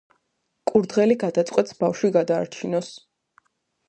კურდღელი გადაწყვეტს ბავშვები გადაარჩინოს.